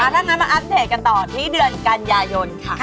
ถ้างั้นมาอัปเดตกันต่อที่เดือนกันยายนค่ะ